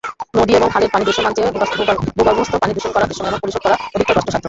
নদী এবং খালের পানি দূষণের চেয়ে ভূগর্ভস্থ পানি দূষণ কম দৃশ্যমান এবং পরিশোধন করা অধিকতর কষ্টসাধ্য।